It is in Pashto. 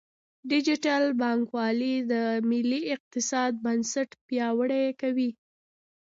ډیجیټل بانکوالي د ملي اقتصاد بنسټ پیاوړی کوي.